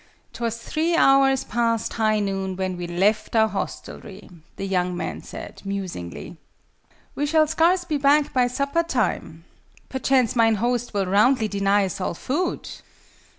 "'Twas three hours past high noon when we left our hostelry," the young man said, musingly. "We shall scarce be back by supper time. Perchance mine host will roundly deny us all food!"